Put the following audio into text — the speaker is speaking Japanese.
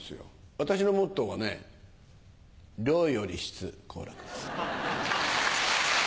私のモットーはね量より質好楽です。